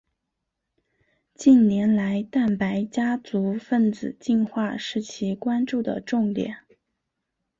近年来蛋白家族分子进化是其关注的重点。